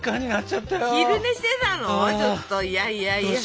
ちょっといやいやいや。